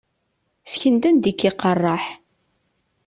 Ssken-d anda i k-iqerreḥ.